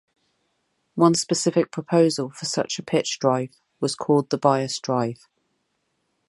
One specific proposal for such a pitch drive was called the bias drive.